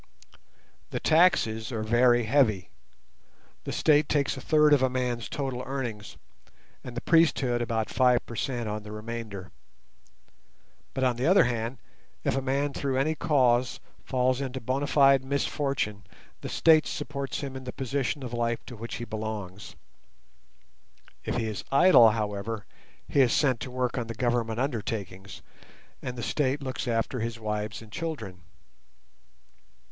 The taxes are very heavy. The State takes a third of a man's total earnings, and the priesthood about five per cent on the remainder. But on the other hand, if a man through any cause falls into bona fide misfortune the State supports him in the position of life to which he belongs. If he is idle, however, he is sent to work on the Government undertakings, and the State looks after his wives and children.